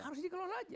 harus dikelola saja